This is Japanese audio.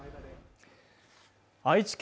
愛知県